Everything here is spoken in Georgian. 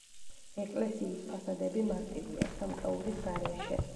ეკლესიის ფასადები მარტივია, სამკაულის გარეშე.